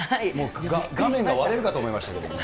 画面が割れるかと思いましたけどね。